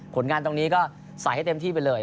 ผลงานตรงนี้ก็ใส่ให้เต็มที่ไปเลย